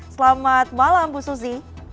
selamat malam ibu suzy